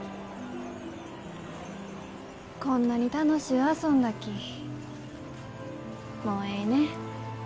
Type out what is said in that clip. こんなに楽しゅう遊んだきもうえいね。